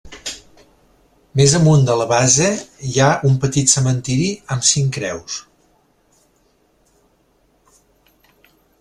Més amunt de la base hi ha un petit cementiri amb cinc creus.